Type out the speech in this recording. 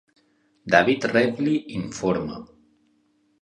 David Reevely informa.